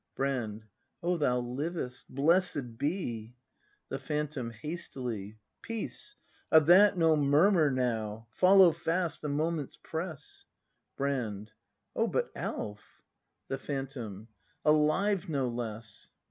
Brand. Oh, thou livest! Blessed be ! The Phantom. [Hastily.] Peace! Of that no murmur now! Follow fast, the moments press. Brand. Oh, but Alf! The Phantom. Alive, no less.